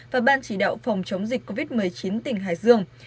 và ban chỉ đạo phòng chống dịch covid một mươi chín tỉnh hải dương